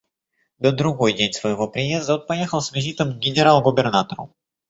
На другой день своего приезда он поехал с визитом к генерал-губернатору.